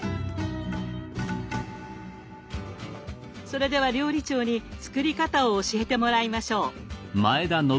それでは料理長に作り方を教えてもらいましょう。